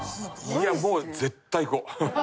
いやもう絶対行こう。